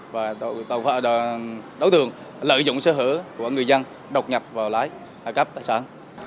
và đấu thường lợi dụng sở hữu của người dân độc nhập vào lái các tài sản